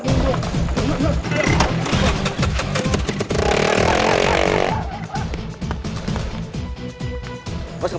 ya makasih mas